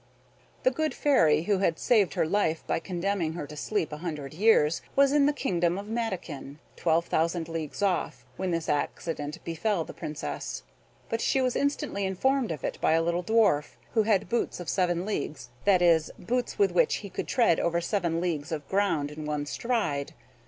The good Fairy who had saved her life by condemning her to sleep a hundred years was in the kingdom of Matakin, twelve thousand leagues off, when this accident befell the Princess; but she was instantly informed of it by a little dwarf, who had boots of seven leagues, that is, boots with which he could tread over seven leagues of ground in one stride.